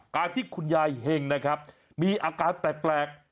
การที่คุณยายเห็งนะครับมีอาการแปลก